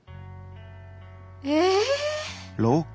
え。